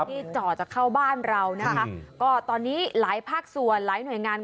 จ่อจะเข้าบ้านเรานะคะก็ตอนนี้หลายภาคส่วนหลายหน่วยงาน